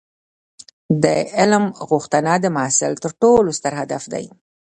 د علم غوښتنه د محصل تر ټولو ستر هدف دی.